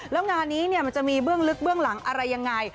แล้วงานนี้มันจะมีเบื้องลึกเบื้องหลังอะไรยังไง